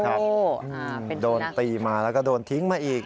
เป็นผู้นักโดนตีมาแล้วก็โดนทิ้งมาอีก